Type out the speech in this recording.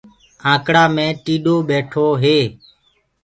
آنڪڙآ مي ٽيڏو ٻيٺو تو۔